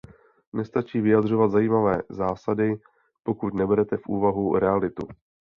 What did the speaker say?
Nestačí vyjadřovat zajímavé zásady, pokud neberete v úvahu realitu.